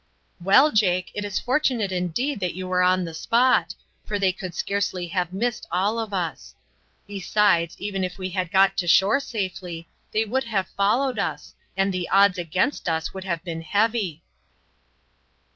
"Well, Jake, it is fortunate indeed that you were on the spot, for they could scarcely have missed all of us. Besides, even if we had got to shore safely, they would have followed us, and the odds against us would have been heavy."